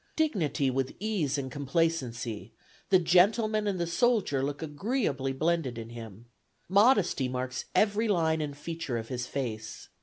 Dignity with ease and complacency, the gentleman and the soldier, look agreeably blended in him. Modesty marks every line and feature of his face.